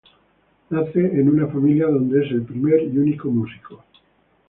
Nace en una familia donde es el primer y único músico.